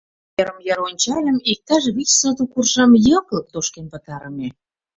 Йырым-йыр ончальым — иктаж вич сотык уржам йыклык тошкен пытарыме.